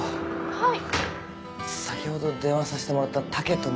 はい。